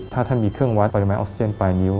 ถ้าท่านมีเครื่องวัดปริมาณออกซิเจนปลายนิ้ว